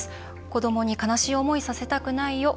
「子どもに悲しい思いさせたくないよ。